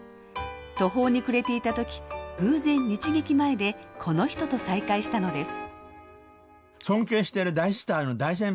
途方に暮れていた時偶然日劇前でこの人と再会したのです。